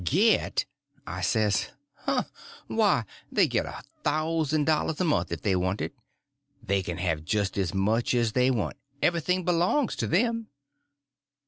"Get?" I says; "why, they get a thousand dollars a month if they want it; they can have just as much as they want; everything belongs to them."